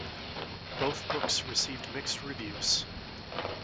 Both books received mixed reviews.